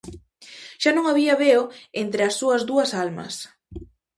Xa non había veo entre as súas dúas almas.